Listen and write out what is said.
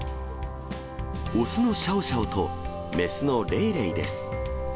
雄のシャオシャオと雌のレイレイです。